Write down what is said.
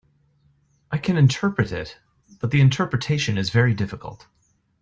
I can interpret it, but the interpretation is very difficult.